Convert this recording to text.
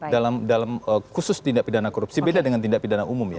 dalam khusus tindak pidana korupsi beda dengan tindak pidana umum ya